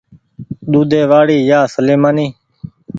ۮودي وآڙي يا سليمآني